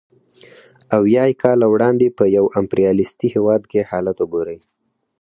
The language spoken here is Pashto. اویای کاله وړاندې په یو امپریالیستي هېواد کې حالت وګورئ